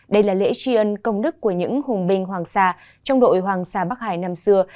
đây là lễ tri ân công đức của những hùng binh hoàng sa trong đội hoàng sa bắc hải năm xưa